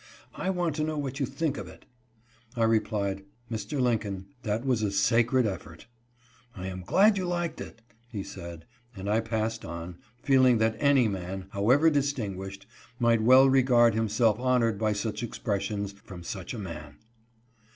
I want to know what you think of it?" I replied, "Mr. Lincoln, that was a sacred effort." " I am glad you liked it !" he said ; and I passed on, feeling that any man, however distinguished, might well regard himself honored by such expressions, from such a man.